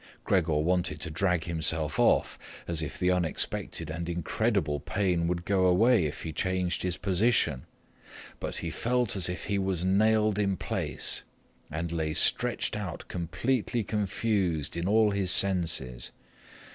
Gregor wanted to drag himself off, as if the unexpected and incredible pain would go away if he changed his position. But he felt as if he was nailed in place and lay stretched out completely confused in all his senses.